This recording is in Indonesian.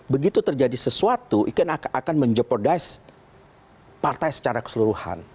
begitu terjadi sesuatu akan menjebordai partai secara keseluruhan